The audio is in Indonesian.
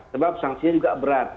sebab sanksinya juga berat